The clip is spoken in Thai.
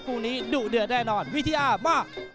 คู่นี้ดุเดือดแน่นอนวิทยามาก